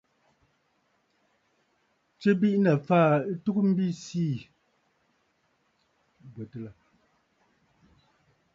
Tswe biʼinə̀ fàa ɨtugə mbi siì.